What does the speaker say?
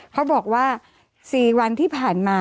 เขาบอกว่า๔วันที่ผ่านมา